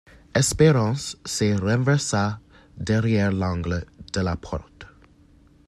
Espérance se renversa derrière l'angle de la porte.